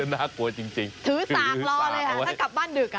น่ากลัวจริงถือสากรอเลยค่ะถ้ากลับบ้านดึก